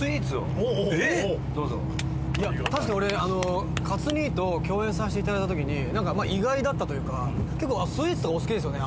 いや確かに俺克兄と共演させていただいた時になんかまあ意外だったというか結構スイーツとかお好きですよね？